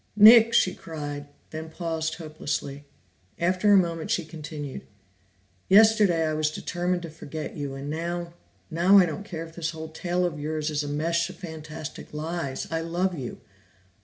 "Nick!" she cried, then paused hopelessly. After a moment she continued, "Yesterday I was determined to forget you, and now now I don't care if this whole tale of yours is a mesh of fantastic lies, I love you!